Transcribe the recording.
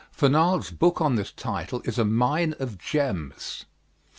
Fernald's book on this title is a mine of gems.